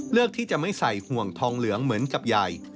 เลือกที่จะไม่ใส่ห่วงทองเหลืองเหมือนกับใหญ่